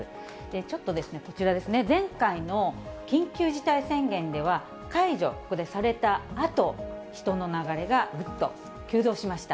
ちょっとですね、こちらですね、前回の緊急事態宣言では、解除、ここでされたあと、人の流れがぐっと急増しました。